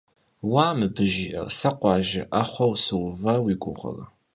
Vua, mıbı jji'er! Se khuajje 'exhueu sıuva vui guğe?